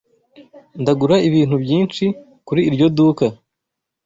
Ndagura ibintu byinshi kuri iryo duka.